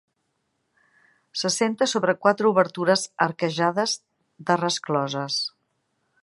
S'assenta sobre quatre obertures arquejades de rescloses.